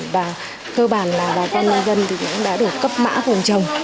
và cơ bản là bà con nông dân thì cũng đã được cấp mã của chồng